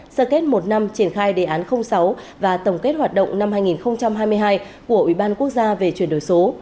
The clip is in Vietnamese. sơ kết một năm triển khai đề án sáu và tổng kết hoạt động năm hai nghìn hai mươi hai của ủy ban quốc gia về chuyển đổi số